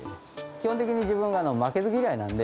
基本的に自分は負けず嫌いなので、